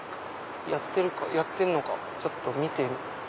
やってるのかちょっと見て。